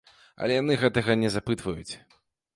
Але яны гэтага не запытваюць.